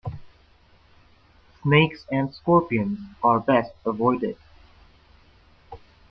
Snakes and scorpions are best avoided.